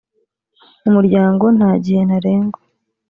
umuryango nta gihe ntarengwa